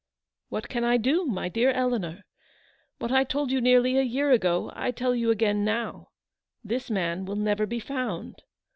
"What can I do, my dear Eleanor? What I told you nearly a year ago, I tell you again now. This man will never be found.